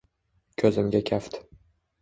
Ko’zimga kaft